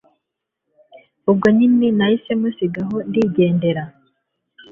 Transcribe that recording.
ubwo njye nahise musiga aho ndigendera